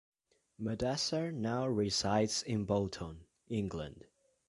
Mudassar now resides in Bolton, England.